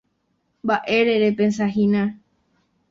Mba'ére repensahína.